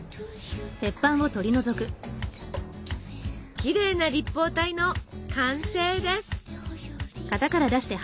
きれいな立方体の完成です。